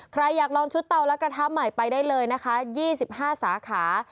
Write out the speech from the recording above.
ใครอยากลองชุดเตาและกระทะใหม่ไปได้เลยนะคะ๒๕สาขา